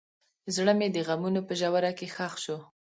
زړه مې د غمونو په ژوره کې ښخ شو.